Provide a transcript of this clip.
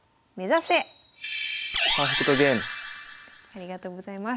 ありがとうございます。